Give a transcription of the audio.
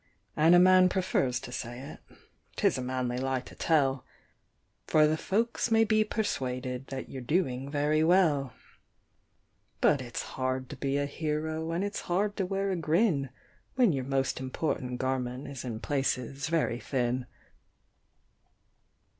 And a man prefers to say it 'tis a manly lie to tell, For the folks may be persuaded that you're doing very well ; But it's hard to be a hero, and it's hard to wear a grin, When your most important garment is in places very thin.